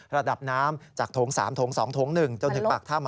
ระดับน้ำจากโถง๓โถง๒โถง๑จนถึงปากถ้ำ